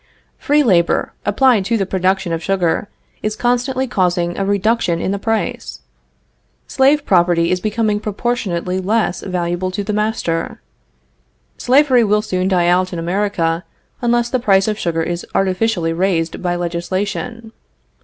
Free labor, applied to the production of sugar, is constantly causing a reduction in the price. Slave property is becoming proportionately less valuable to the master. Slavery will soon die out in America unless the price of sugar is artificially raised by legislation.